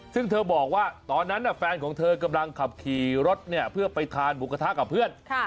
ซึ่งเธอบอกว่าตอนนั้นแฟนของเธอกำลังขับขี่รถเพื่อไปทานหมูกระทะกับเพื่อน